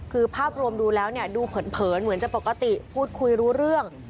คือภาพรวมดูแล้วเนี่ยดูเผินเหมือนจะปกติพูดคุยรู้เรื่อง